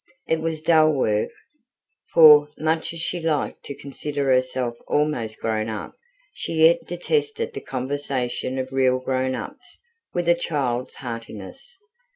It was dull work: for, much as she liked to consider herself "almost grown up", she yet detested the conversation of "real grown ups" with a child's heartiness.